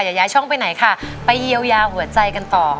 ย้ายช่องไปไหนค่ะไปเยียวยาหัวใจกันต่อ